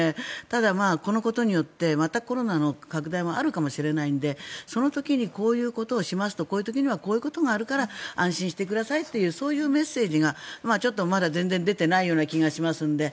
ただ、このことによってまたコロナの拡大もあるかもしれないのでその時にこういうことをしますとこういう時にはこういうことがあるから安心してくださいというそういうメッセージがちょっとまだ全然出ていないような気がしますので